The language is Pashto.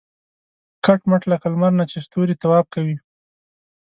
کټ مټ لکه لمر نه چې ستوري طواف کوي.